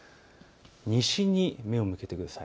西に目を向けてください。